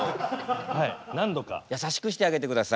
優しくしてあげてください。